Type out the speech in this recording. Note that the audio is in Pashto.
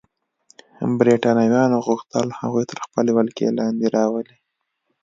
برېټانویانو غوښتل هغوی تر خپلې ولکې لاندې راولي.